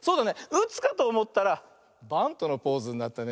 うつかとおもったらバントのポーズになったね。